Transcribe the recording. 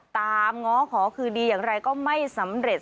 ง้อขอคืนดีอย่างไรก็ไม่สำเร็จ